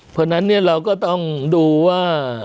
เพราะฉะนั้นเราก็ต้องดูว่า